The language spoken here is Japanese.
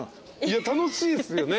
楽しいっすよね。